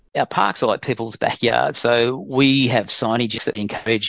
jika peraturan tersebut tidak terkendali